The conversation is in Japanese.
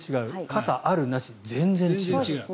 傘あるなし、全然違う。